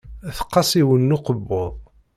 Tqas yiwen n ukebbuḍ.